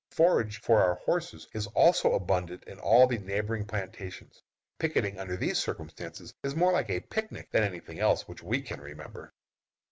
Forage for our horses is also abundant in all the neighboring plantations. Picketing under these circumstances is more like a picnic than any thing else which we can remember.